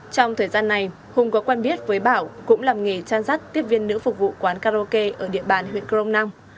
trong thời gian này hùng có quen biết với bảo cũng làm nghề trang sát tiếp viên nữ phục vụ quán karaoke ở địa bàn huyện crona